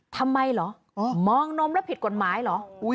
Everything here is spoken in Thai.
ทำไมเหรอมองนมแล้วผิดกฎหมายเหรอ